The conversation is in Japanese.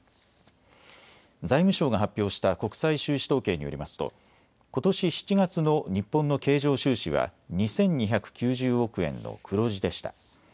財務省が発表した国際収支統計によりますと、ことし７月の日本の経常収支は２２９０億円の黒字でした。